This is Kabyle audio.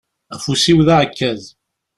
Afus-iw d aεekkaz.